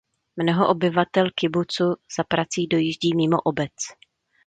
Mnoho obyvatel kibucu za prací dojíždí mimo obec.